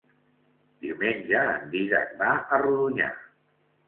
Diumenge en Dídac va a Rodonyà.